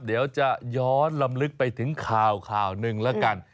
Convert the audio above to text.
เดี๋ยวจะย้อนลำลึกไปถึงข่าวข่าวหนึ่งแล้วกัน